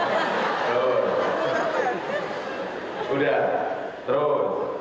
udah terus terus